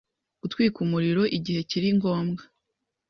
Gutwika umuriro igihe kiri ngombwa .